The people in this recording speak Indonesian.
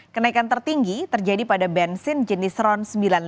kenaikan tertinggi terjadi pada bensin jenis ron sembilan puluh lima